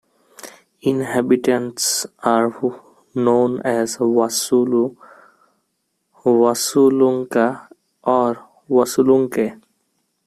Inhabitants are known as Wassulu, Wassulunka or Wassulunke.